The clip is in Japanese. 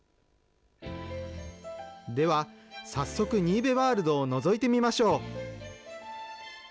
では、さっそく新部ワールドをのぞいてみましょう。